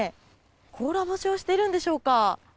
甲羅干しをしているんでしょうか。